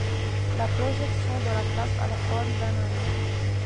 La projection de la place a la forme d'un œil.